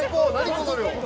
この量。